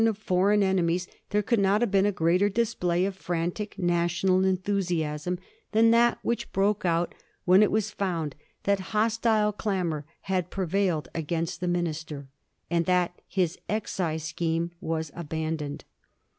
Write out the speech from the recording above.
of foreign enemies, there could not have been a greater display of frantic national enthusiasm than that which broke out when it was found that hostile clamour had prevailed against the minister, and that his excise scheme was abandoned.